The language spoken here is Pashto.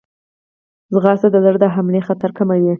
منډه د زړه د حملې خطر کموي